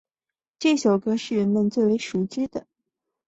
这首歌是最为人熟知的葡萄牙反法西斯抵抗歌曲之一。